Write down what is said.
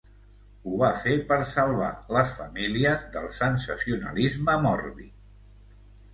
Ho va fer per salvar les famílies del sensacionalisme mòrbid.